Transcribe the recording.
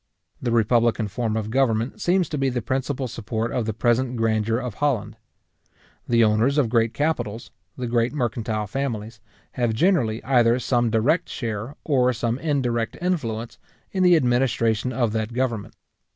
The republican form of government seems to be the principal support of the present grandeur of Holland. The owners of great capitals, the great mercantile families, have generally either some direct share, or some indirect influence, in the administration of that government.